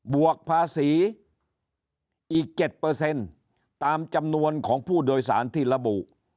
วกภาษีอีก๗ตามจำนวนของผู้โดยสารที่ระบุ